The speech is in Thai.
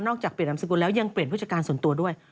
จากเปลี่ยนนามสกุลแล้วยังเปลี่ยนผู้จัดการส่วนตัวด้วย